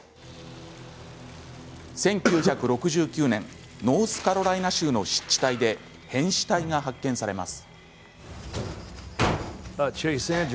１９６９年ノースカロライナ州の湿地帯で変死体が発見されます。